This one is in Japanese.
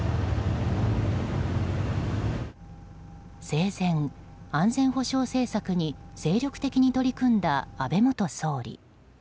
生前、安全保障政策に精力的に取り組んだ安倍元総理。